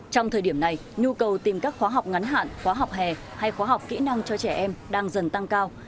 trong thời điểm này nhu cầu tìm các khóa học ngắn hạn khóa học hè hay khóa học kỹ năng cho trẻ em đang dần tăng cao